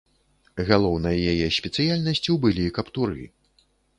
Галоўнай яе спецыяльнасцю былі каптуры.